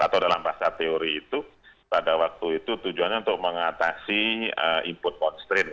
atau dalam bahasa teori itu pada waktu itu tujuannya untuk mengatasi input constraint